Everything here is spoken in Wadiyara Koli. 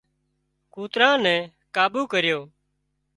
ڪوترا نين ڪابو ڪريو